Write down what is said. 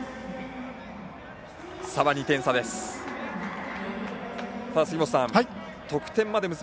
差は２点差です。